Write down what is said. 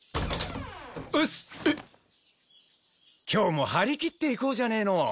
今日も張り切っていこうじゃねえの！